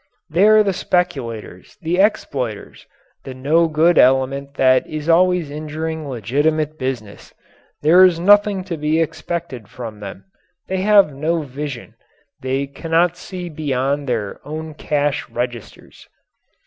They are the speculators, the exploiters, the no good element that is always injuring legitimate business. There is nothing to be expected from them. They have no vision. They cannot see beyond their own cash registers.